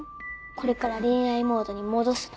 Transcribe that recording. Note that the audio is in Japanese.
これから恋愛モードに戻すの。